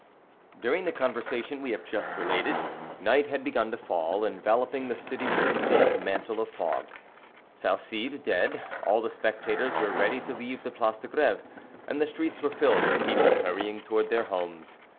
During the conversation we have just related, night had begun to fall, enveloping the city with its damp mantle of fog. Salcede dead, all the spectators were ready to leave the Place de Greve, and the streets were filled with people, hurrying toward their homes.